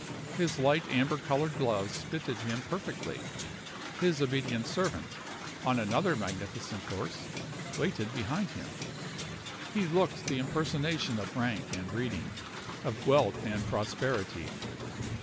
His light amber colored gloves fitted him perfectly. His obedient servant, on another magnificent horse, waited behind him. He looked the impersonation of rank and breeding of wealth and prosperity.